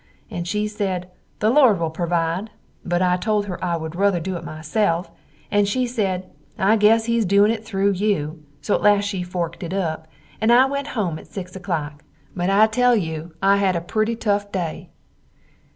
and she sed the Lord will provide, but I told her I wood ruther do it myself; and she said I guess He's doin it threw you, so at last she forkt up, and I went home at 6 o'clock, but I tell you I had a prety tuf day.